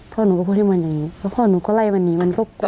พ่อหนูก็พูดให้มันอย่างนี้พ่อหนูก็ไล่มันหนีมันก็กลัว